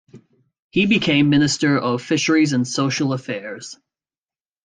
He first became minister of Fisheries and Social affairs.